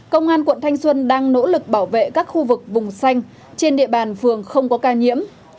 công an quận thanh xuân đang nỗ lực bảo vệ các khu vực vùng xanh trên địa bàn phường không có ca nhiễm